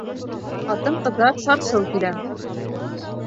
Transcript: Ҡатын-ҡыҙҙар сар-сыу килә.